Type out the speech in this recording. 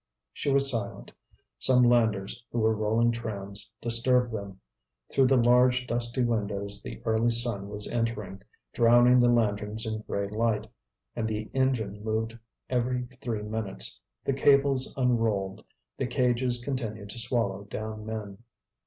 She was silent; some landers, who were rolling trams, disturbed them. Through the large dusty windows the early sun was entering, drowning the lanterns in grey light; and the engine moved every three minutes, the cables unrolled, the cages continued to swallow down men.